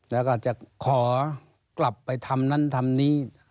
แล้วก็จะขอกลับไปทำนั้นทำนี้